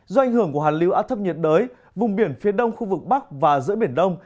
do ảnh hưởng của hàn lưu áp thấp nhiệt đới vùng biển phía đông khu vực bắc và giữa biển đông